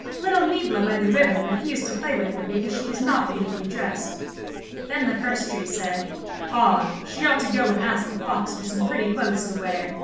Little Niebla by the river refused to play with her because she is not beautifully dressed." Then the first tree said: "Ah, she ought to go and ask the fox for some pretty clothes to wear.